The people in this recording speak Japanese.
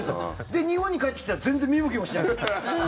で、日本に帰ってきたら全然見向きもしないんです。